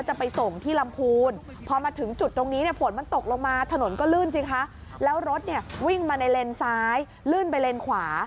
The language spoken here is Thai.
วิ่งมาในเลนสายลื่นไปเลนขวา